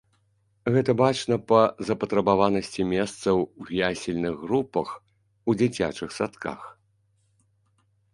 Гэта бачна па запатрабаванасці месцаў у ясельных групах у дзіцячых садках.